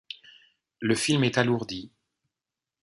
Le film est alourdi.